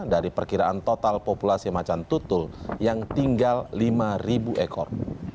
dari perkiraan total populasi macan tutul yang tinggal lima ekor